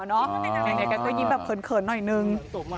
แล้วเคยก็ยิ้มแบบเขินเขินหน่อยหนึ่ง